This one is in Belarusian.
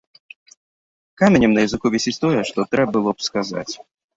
Каменем на языку вісіць тое, што трэ было б сказаць.